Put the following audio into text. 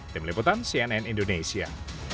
tim liputan cnn indonesia